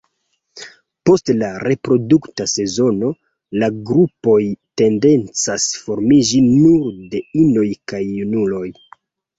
Post la reprodukta sezono la grupoj tendencas formiĝi nur de inoj kaj junuloj.